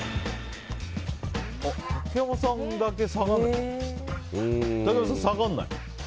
竹山さんだけ下がらない？